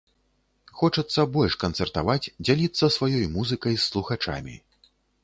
Хочацца больш канцэртаваць, дзяліцца сваёй музыкай з слухачамі.